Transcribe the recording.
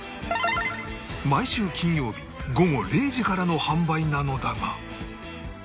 毎週金曜日午後０時からの販売なのだが